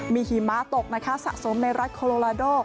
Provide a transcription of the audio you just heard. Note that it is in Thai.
มีหิมะตกนะคะสะสมในรัฐโคโลลาโด